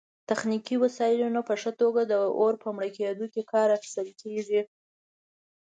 تخنیکي وسایلو نه په ښه توګه د اور په مړه کیدو کې کار اخیستل